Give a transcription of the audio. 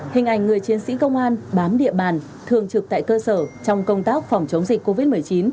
hình ảnh người chiến sĩ công an bám địa bàn thường trực tại cơ sở trong công tác phòng chống dịch covid một mươi chín